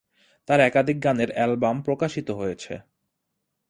তার একাধিক গানের অ্যালবাম প্রকাশিত হয়েছে।